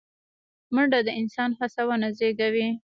منډه د انسان هڅونه زیږوي